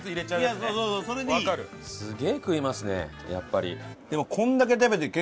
すげえ食いますねやっぱり。